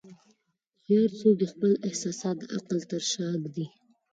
هوښیار څوک دی چې خپل احساسات د عقل تر شا ږدي.